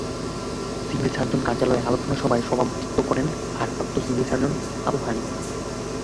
Civil surgeon কার্যালয়ে আলোচনা সভায় সভাপতিত্ব করেন ভারপ্রাপ্ত সিভিল সার্জন আবু হানিফ।